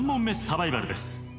サバイバルです。